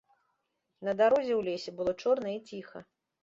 На дарозе ў лесе было чорна і ціха.